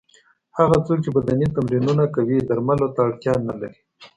هغه څوک چې بدني تمرینونه کوي درملو ته اړتیا نه لري.